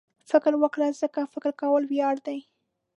فکر وکړه ځکه فکر کول وړیا دي.